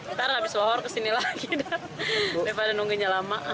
ntar abis sohor kesini lagi daripada nungguinnya lama